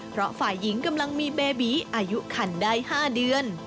เพราะฝ่ายหญิงกำลังมีเบบีอายุคันได้๕เดือน